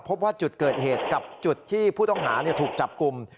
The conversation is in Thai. พบว่าจุดเกิดเหตุกับจุดที่ผู้ต้องหาถูกจับกลุ่ม